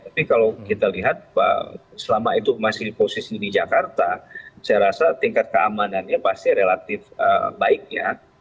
tapi kalau kita lihat selama itu masih posisi di jakarta saya rasa tingkat keamanannya pasti relatif baik ya